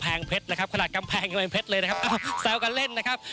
วันนี้ผมพามาจังหวัดที่โรยที่สุดในประเทศไทยครับ